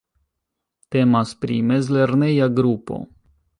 Temas pri mezlerneja grupo.